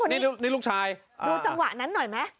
นี่ลูกชายดูจังหวะนั้นหน่อยไหม